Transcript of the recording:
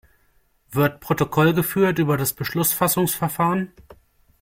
Wird Protokoll geführt über das Beschlussfassungsverfahren?